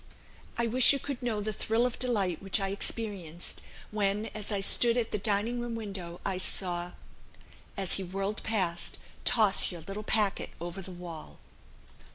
I wish you could know the thrill of delight which I experienced, when, as I stood at the dining room window, I saw , as he whirled past, toss your little packet over the wall."